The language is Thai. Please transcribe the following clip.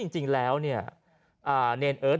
จริงแล้วเนียนเอิช